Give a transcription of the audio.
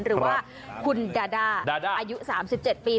หรือว่าคุณดาด้าอายุ๓๗ปี